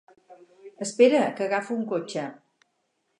Espera, que agafo un cotxe.